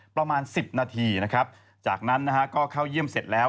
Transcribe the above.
ประมาณ๑๐นาทีนะครับจากนั้นนะฮะก็เข้าเยี่ยมเสร็จแล้ว